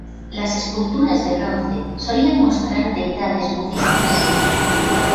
Las esculturas de bronce solían mostrar deidades budistas.